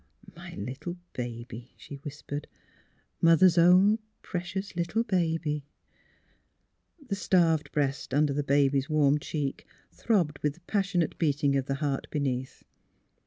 " My little baby," she whispered. '' Mother's own precious little baby! " The starved breast under the baby's warm cheek throbbed with the passionate beating of the heart beneath.